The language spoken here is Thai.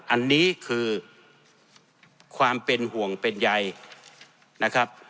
อันนี้คือความเป็นห่วงเป็นใยนะครับ